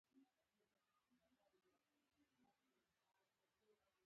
د هیلې خوند نا امیدي له منځه وړي.